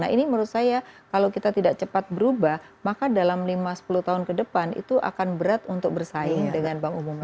nah ini menurut saya kalau kita tidak cepat berubah maka dalam lima sepuluh tahun ke depan itu akan berat untuk bersaing dengan bank umum